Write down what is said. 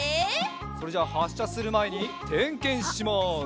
それじゃあはっしゃするまえにてんけんします。